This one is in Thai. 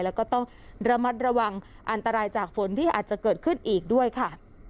แล้วก็ต้องระมัดระวังอันตรายจากฝนที่อาจจะเกิดขึ้นอีกด้วยค่ะ